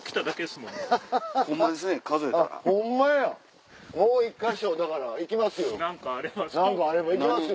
もう１か所だから行きますよ